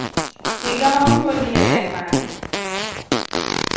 Higa ma onyuoliye en mane?